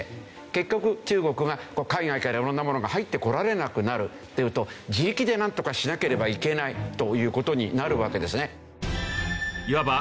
結局中国が海外から色んなものが入ってこられなくなるっていうと自力でなんとかしなければいけないという事になるわけですね。